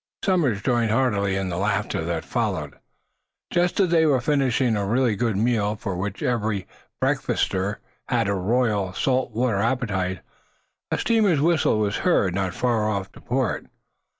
'" Somers joined heartily in the laugh that followed. Just as they were finishing a really good meal, for which every breakfaster had a royal, salt water appetite, a steamer's whistle was heard, not far off to port.